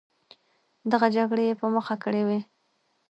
دغه جګړې یې په مخه کړې وې.